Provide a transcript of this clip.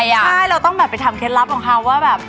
ใช่เราต้องแบบไปทำเคล็ดลับของเขาว่าแบบ